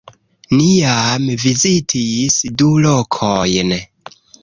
Ni jam vizitis du lokojn